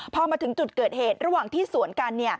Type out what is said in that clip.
พอมาถึงจุดเกิดเหตุระหว่างที่สวนกัน